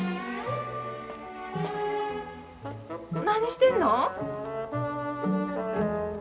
何してんの？